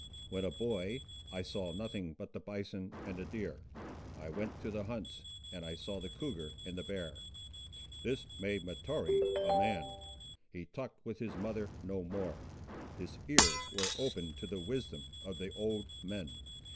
When a boy, I saw nothing but the bison and the deer. I went to the hunts, and I saw the cougar and the bear. This made Mahtoree a man. He talked with his mother no more. His ears were open to the wisdom of the old men.